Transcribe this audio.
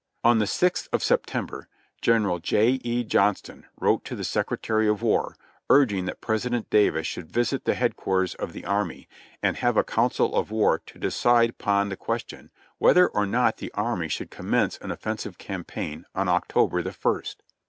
On the 6th of September Gen. J. E. Johnston wrote to the Secretary of War urging that President Davis should visit the headquarters of the army and have a council of war to decide upon the question whether or not the army should commence an offensive campaign on October the first.